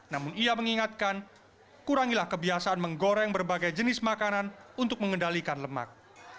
namun ia mengingatkan kurangilah kebiasaan menggoreng berbagai jenis makanan untuk mengendalikan lemak